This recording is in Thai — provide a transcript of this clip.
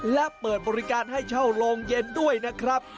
และเปิดบริการให้เช่าโรงเย็นด้วยนะครับ